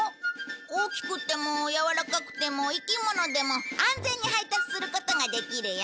大きくてもやわらかくても生き物でも安全に配達することができるよ！